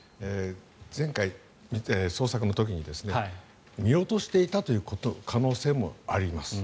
前回、捜索の時に見落としていたという可能性もあります。